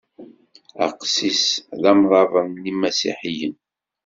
Aqessis d amrabeḍ n yimasiḥiyen.